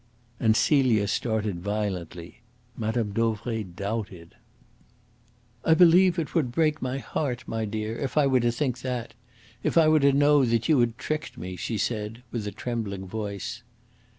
And Celia started violently. Mme. Dauvray doubted. "I believe it would break my heart, my dear, if I were to think that; if I were to know that you had tricked me," she said, with a trembling voice.